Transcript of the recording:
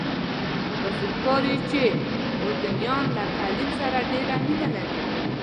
داسې ښکاري چې اردنیان له تعلیم سره ډېره مینه لري.